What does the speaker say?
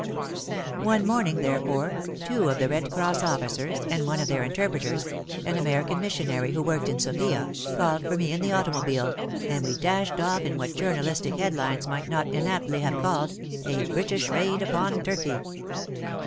One morning, therefore, two of the Red Cross officers and one of their interpreters (an Amer ican missionary who worked in Sofia) called for me in the automobile, and we dashed off on what journalistic headlines might not inaptly have called "A British raid upon Turkey."